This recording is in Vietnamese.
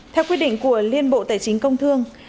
theo quyết định của liên bộ tài chính công thương